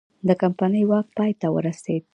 د کمپنۍ واک پای ته ورسید.